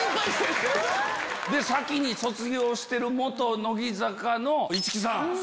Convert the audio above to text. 先に卒業してる乃木坂の市來さん。